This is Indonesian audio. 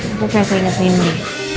aku kayak keingetan ini